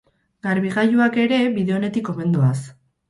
Garbigailuak ere bide onetik omen doaz.